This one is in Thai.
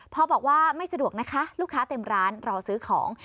พอบอกว่าไม่สะดวกนะคะลูกค้าเต็มร้านรอซื้อของ